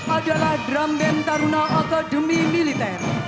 adalah drambem taruna akademi militer